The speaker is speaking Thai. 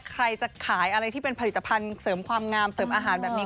ใครจะขายอะไรที่เป็นผลิตภัณฑ์เสริมความงามเสริมอาหารแบบนี้